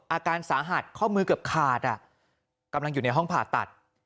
อาการสาหัสข้อมือเกือบขาดกำลังอยู่ในห้องผ่าตัด